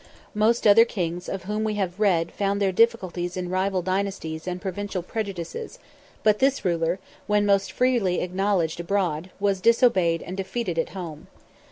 Most other kings of whom we have read found their difficulties in rival dynasties and provincial prejudices; but this ruler, when most freely acknowledged abroad, was disobeyed and defeated at home.